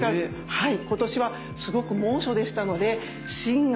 はい。